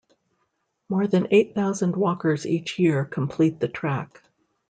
More than eight thousand walkers each year complete the track.